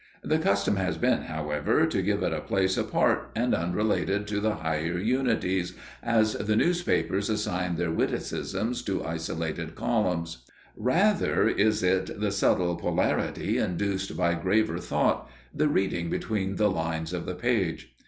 The custom has been, however, to give it a place apart and unrelated to the higher unities, as the newspapers assign their witticisms to isolated columns. Rather is it the subtle polarity induced by graver thought, the reading between the lines of the page.